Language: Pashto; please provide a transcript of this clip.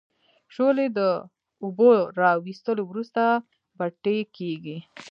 شولې د اوبو را وېستلو وروسته بټۍ کیږي.